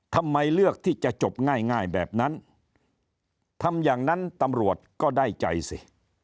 ทำไมเลือกที่จะจบง่ายแบบนั้นทำอย่างนั้นตำรวจก็ได้ใจสิ